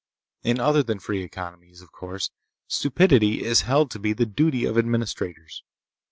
In other than free economies, of course, stupidity is held to be the duty of administrators.